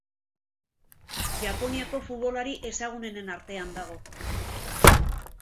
Japoniako futbolari ezagunenen artean dago.